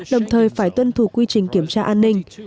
đồng thời phải tuân thủ quy trình kiểm tra an ninh